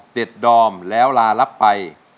เต็ดดอมแล้วลาลับไป